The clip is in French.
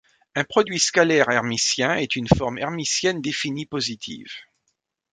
Un produit scalaire hermitien est une forme hermitienne définie positive.